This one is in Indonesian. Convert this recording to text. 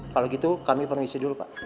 kalau gitu kami perisi dulu pak